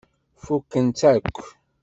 Fukkent-tt akk.